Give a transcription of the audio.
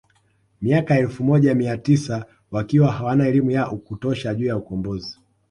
Miaka ya elfu moja mia tisa wakiwa hawana elimu ya kutosha juu ya ukombozi